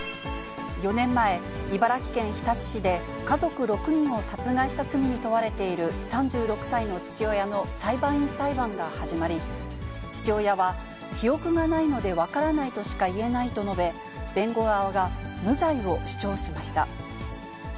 ４年前、茨城県日立市で、家族６人を殺害した罪に問われている３６歳の父親の裁判員裁判が始まり、父親は記憶がないので分からないとしか言えないと述べ、弁護側が無罪を主張しました。